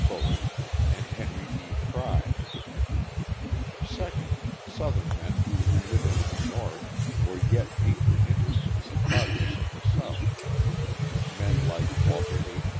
Bowie, and Henry E. Fries; second, Southern men who, living in the North, were yet deeply interested in the progress of the South men like Walter H.